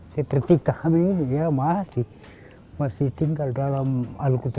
seperti kami ini masih tinggal dalam al qudro